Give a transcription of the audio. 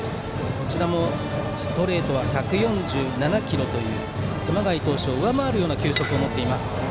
こちらもストレートは１４７キロという熊谷投手を上回る球速を持っています。